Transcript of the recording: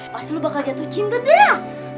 pas lu bakal jatuh cinta dia